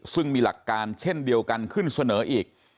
ซึ่งมีหลักการเช่นเดียวกันขึ้นเสนออีก